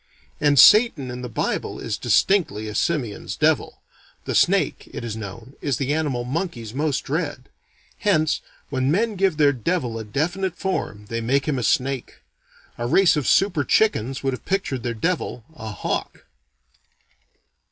_ And Satan in the Bible is distinctly a simian's devil. The snake, it is known, is the animal monkeys most dread. Hence when men give their devil a definite form they make him a snake. A race of super chickens would have pictured their devil a hawk.